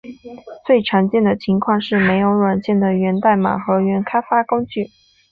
最常见的情况是没有软件的源代码和原开发工具。